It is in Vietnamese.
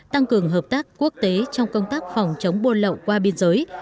tăng cường hợp tác quốc tế trong công tác phòng chống buôn lậu qua biên giới